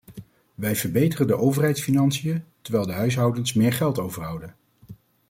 Wij verbeteren de overheidsfinanciën, terwijl de huishoudens meer geld overhouden.